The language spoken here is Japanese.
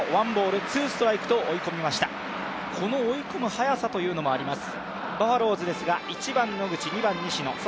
この追い込む早さというのもあります。